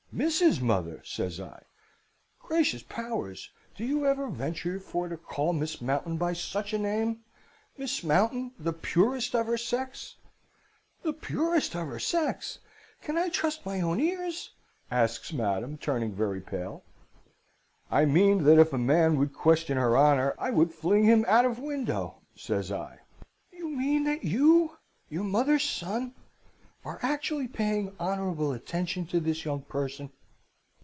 "'Misses, mother!' says I. 'Gracious powers, do you ever venture for to call Miss Mountain by such a name? Miss Mountain, the purest of her sex!' "'The purest of her sex! Can I trust my own ears?' asks Madam, turning very pale. "'I mean that if a man would question her honour, I would fling him out of window,' says I. "'You mean that you your mother's son are actually paying honourable attention to this young person?'